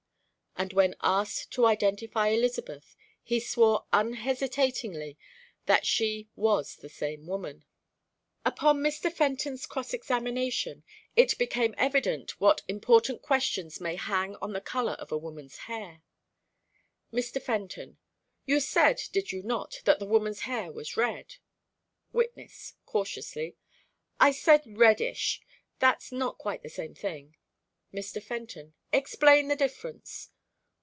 And when asked to identify Elizabeth, he swore unhesitatingly that she was the same woman. Upon Mr. Fenton's cross examination, it became evident what important questions may hang on the color of a woman's hair. Mr. Fenton: "You said, did you not, that the woman's hair was red?" Witness, cautiously: "I said, reddish. That's not quite the same thing." Mr. Fenton: "Explain the difference."